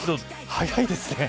早いですね。